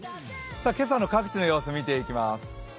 今朝の各地の様子見ていきます。